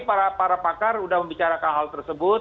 para pakar sudah membicarakan hal tersebut